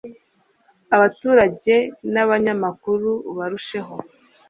abaturage n abanyamakuru barusheho